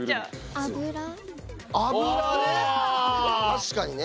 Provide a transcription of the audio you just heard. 確かにね。